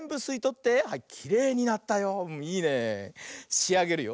しあげるよ。